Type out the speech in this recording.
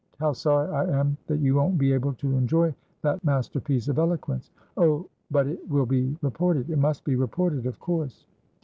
How sorry I am that you won't be able to enjoy that masterpiece of eloquence!" "Oh, but it will be reported. It must be reported, of course."